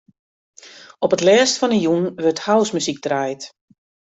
Op it lêst fan 'e jûn wurdt housemuzyk draaid.